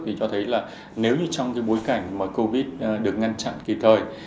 thì cho thấy là nếu như trong cái bối cảnh mà covid được ngăn chặn kịp thời